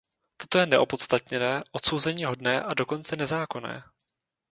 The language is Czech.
To je neopodstatněné, odsouzeníhodné a dokonce nezákonné.